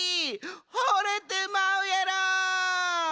ほれてまうやろ。